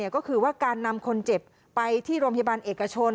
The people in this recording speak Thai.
ก็คือว่าการนำคนเจ็บไปที่โรงพยาบาลเอกชน